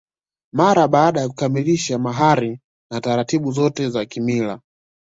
Mara baada ya kukamilisha mahari na taratibu zote za kimila